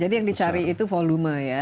jadi yang dicari itu volume ya